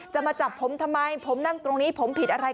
มาจับผมทำไมผมนั่งตรงนี้ผมผิดอะไร